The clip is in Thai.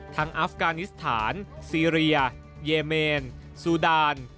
ทั้งอัฟกานิสฐานเซียรียาเยเมนสูดาน